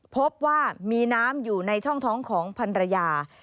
พบว่ามีน้ำอยู่ในช่องท้องของพันรยา